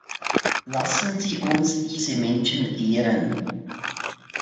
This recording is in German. Lassen Sie uns diese Menschen ehren.